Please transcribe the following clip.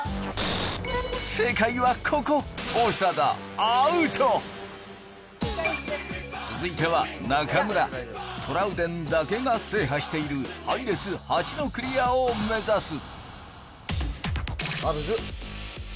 正解はここ長田アウト続いては中村トラウデンだけが制覇している配列８のクリアを目指すＯＫＯＫＯＫ